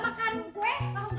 enggak buat tambah aja deh